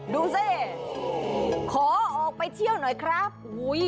ดูสิขอออกไปเที่ยวหน่อยครับ